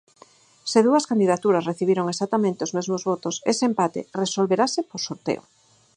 Se dúas candidaturas recibiron exactamente os mesmos votos ese empate "resolverase por sorteo".